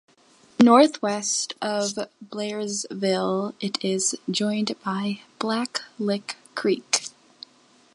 Northwest of Blairsville it is joined by Blacklick Creek.